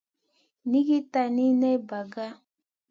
Nʼiigui tani ney ɓaga.